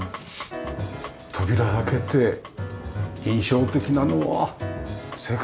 扉開けて印象的なのは世界地図。